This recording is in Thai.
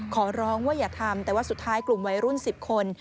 ขอร้องว่าอย่าทำแต่ว่าสุดท้ายกลุ่มวัยรุ่น๑๐คน